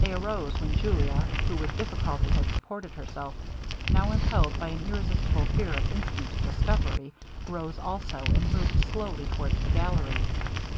They arose, when Julia, who with difficulty had supported herself, now impelled by an irresistible fear of instant discovery, rose also, and moved softly towards the gallery.